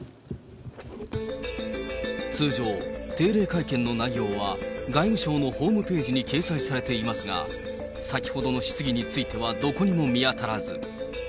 通常、定例会見の内容は外務省のホームページに掲載されていますが、先ほどの質疑についてはどこにも見当たらず。